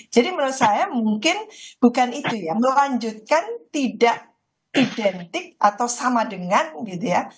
jadi menurut saya mungkin bukan itu ya melanjutkan tidak identik atau sama dengan gitu ya